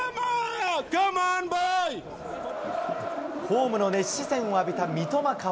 ホームの熱視線を浴びた三笘薫。